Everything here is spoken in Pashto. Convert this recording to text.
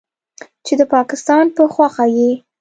چې د پکستان په خوښه یې